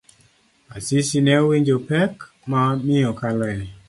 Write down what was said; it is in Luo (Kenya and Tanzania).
Asisi ne owinjo pek ma miyo kaloe.